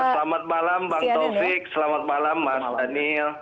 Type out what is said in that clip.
selamat malam bang taufik selamat malam mas daniel